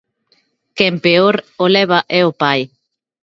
Quen peor o leva é o pai.